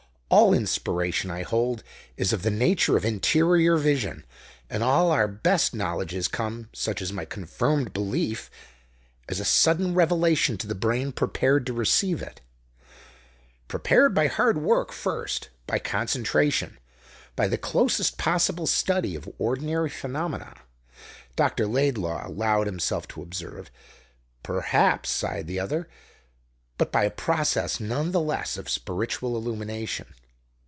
All inspiration, I hold, is of the nature of interior Vision, and all our best knowledge has come such is my confirmed belief as a sudden revelation to the brain prepared to receive it " "Prepared by hard work first, by concentration, by the closest possible study of ordinary phenomena," Dr. Laidlaw allowed himself to observe. "Perhaps," sighed the other; "but by a process, none the less, of spiritual illumination.